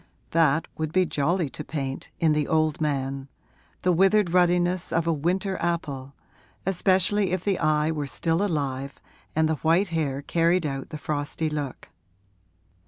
That would be jolly to paint, in the old man the withered ruddiness of a winter apple, especially if the eye were still alive and the white hair carried out the frosty look.